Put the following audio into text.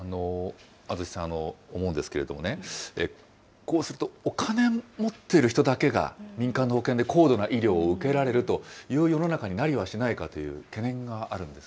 安土さん、思うんですけれどもね、こうするとお金持っている人だけが民間の保険で高度な医療を受けられるという世の中になりはしないかという懸念があるんです